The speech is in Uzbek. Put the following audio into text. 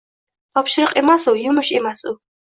Topshiriq emas u, yumush emas u.